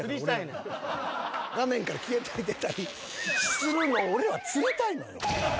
画面から消えたり出たりするの俺は釣りたいのよ。